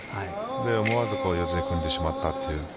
思わず四つに組んでしまったという。